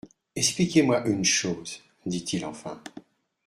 —«Expliquez-moi une chose,» dit-il enfin.